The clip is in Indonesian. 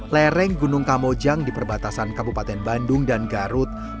lereng gunung kamojang di perbatasan kabupaten bandung dan garut memiliki pangalnya langit dan engam padat